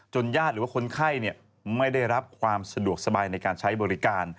ญาติหรือว่าคนไข้ไม่ได้รับความสะดวกสบายในการใช้บริการ